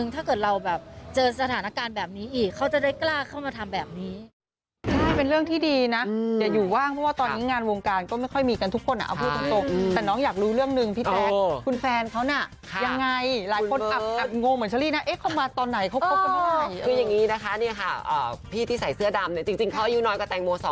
ติดตกแล้วคนนี้แหละค่ะเป็นเพื่อนที่มาอยู่ข้างกายให้ทำปรึกษาแล้วก็